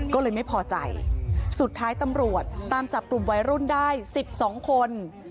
ก็เลยไม่พอใจสุดท้ายตำรวจตามจับกลุ่มวัยรุ่นได้๑๒คน